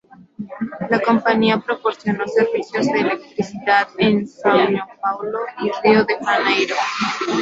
La compañía proporcionó servicios de electricidad en São Paulo y Río de Janeiro.